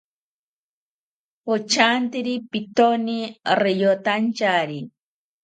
Pochantiri pitoni riyotantyari